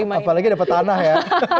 apalagi dapet tanah ya